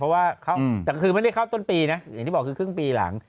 เพราะว่าเกือบในตอนปีนะอย่างที่บอกก็๖ปีหลัง